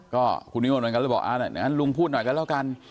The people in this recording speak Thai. ก็คุณวิวรันก็เลยบอกอ่าลุงพูดหน่อยกันแล้วกัน